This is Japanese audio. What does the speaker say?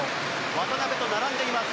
渡辺と並んでいます。